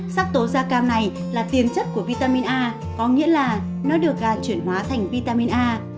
sắc tố da cam này là tiền chất của vitamin a có nghĩa là nó được chuyển hóa thành vitamin a